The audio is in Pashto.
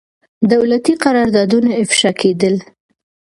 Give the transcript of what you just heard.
دولتي قراردادونه افشا کېدل.